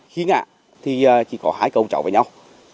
khi ngã thì chỉ có hai con cháu với nhau